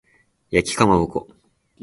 焼きかまぼこ